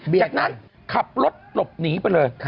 จากนั้นขับรถหลบหนีไปเลย